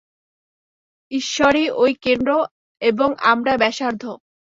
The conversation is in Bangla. ঈশ্বরই ঐ কেন্দ্র এবং আমরা ব্যাসার্ধ।